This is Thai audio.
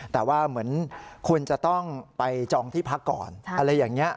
แต่ว่าเหมือนคุณจะต้องไปจองที่พักก่อนอะไรอย่างนี้